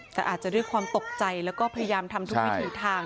แต่อาจจะด้วยความตกใจแล้วก็พยายามทำทุกวิถีทาง